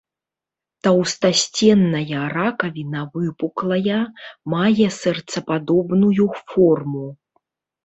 Таўстасценная ракавіна выпуклая, мае сэрцападобную форму.